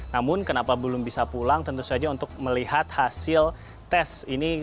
namun kenapa belum bisa pulang tentu saja untuk melihat hasil tes ini